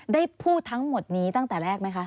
ได้พูดทั้งหมดนี้ตั้งแต่แรกไหมคะ